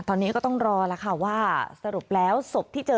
ตอนนี้ก็ต้องรอแล้วค่ะว่าสรุปแล้วศพที่เจอ